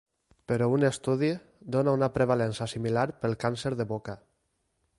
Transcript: Però un estudi dóna una prevalença similar pel càncer de boca.